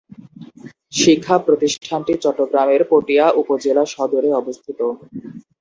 এই শিক্ষা প্রতিষ্ঠানটি চট্টগ্রামের পটিয়া উপজেলা সদরে অবস্থিত।